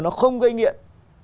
nó không gây nghiện